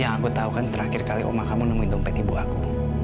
yang aku tahu kan terakhir kali oma kamu nemuin dompet ibu aku